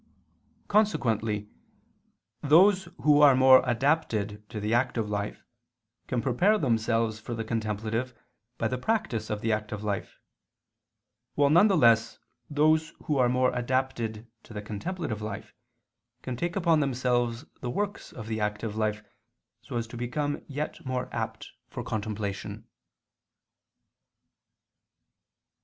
Consequently those who are more adapted to the active life can prepare themselves for the contemplative by the practice of the active life; while none the less, those who are more adapted to the contemplative life can take upon themselves the works of the active life, so as to become yet more apt for contemplation.